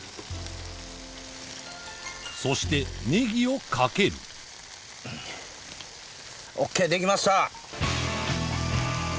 そしてネギをかけるＯＫできました。